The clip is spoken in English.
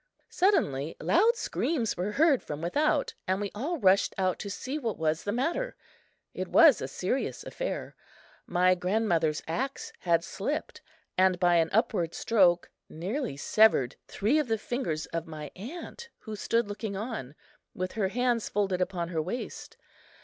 Suddenly loud screams were heard from without and we all rushed out to see what was the matter. It was a serious affair. My grandmother's axe had slipped, and by an upward stroke nearly severed three of the fingers of my aunt, who stood looking on, with her hands folded upon her waist.